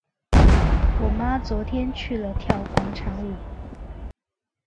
我妈昨天去了跳广场舞。